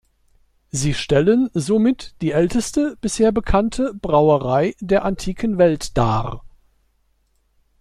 Sie stellen somit die älteste bisher bekannte Brauerei der antiken Welt dar.